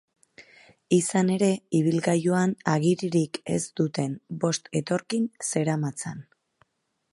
Izan ere, ibilgailuan agiririk ez duten bost etorkin zeramatzan.